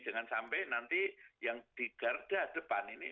dengan sampai nanti yang digarda depan ini